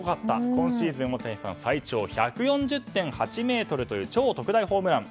今シーズン最長１４０．８ｍの超特大ホームラン。